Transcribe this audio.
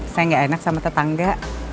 saya gak enak sama tetangga